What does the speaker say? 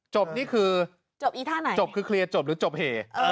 จบนี่คือจบคือเคลียร์จบหรือจบเห